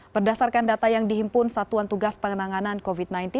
berdasarkan data yang dihimpun satuan tugas penanganan covid sembilan belas